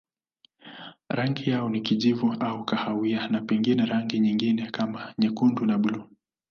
Rangi yao ni kijivu au kahawia na pengine rangi nyingine kama nyekundu na buluu.